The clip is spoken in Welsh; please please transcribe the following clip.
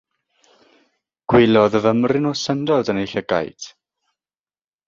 Gwelodd fymryn o syndod yn ei llygaid.